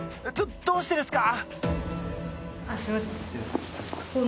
どうしてですか！